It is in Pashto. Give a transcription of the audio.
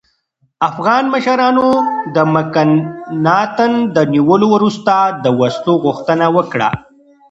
افغان مشرانو د مکناتن د نیولو وروسته د وسلو غوښتنه وکړه.